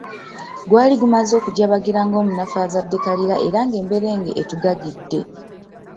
Gwali gumaze okujabagira ng'omunafu azadde kaliira era ng'emberenge etugagidde.